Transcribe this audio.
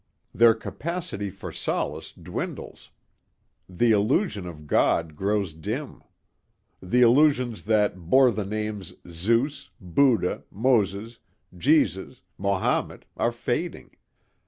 Their capacity for solace dwindles. The illusion of God grows dim. The illusions that bore the names Zeus, Buddha, Moses, Jesus, Mohamet are fading.